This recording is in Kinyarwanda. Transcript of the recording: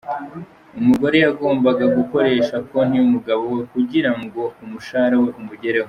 Umugore yagombaga gukoresha konti y’umugabo we kugira ngo umushahara we umugereho.